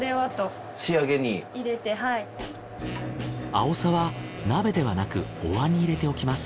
あおさは鍋ではなくお椀に入れておきます。